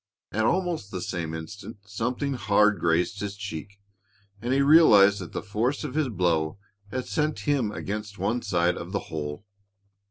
At almost the same instant something hard grazed his cheek, and he realized that the force of his blow had sent him against one side of the hole.